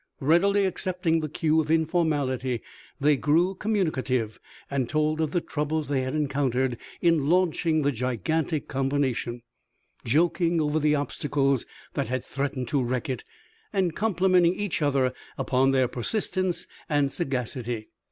Readily accepting the cue of informality, they grew communicative, and told of the troubles they had encountered in launching the gigantic combination, joking over the obstacles that had threatened to wreck it, and complimenting each other upon their persistence and sagacity.